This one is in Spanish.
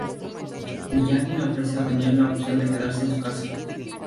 Miyagi le ofrece a Daniel la opción de quedarse en su casa.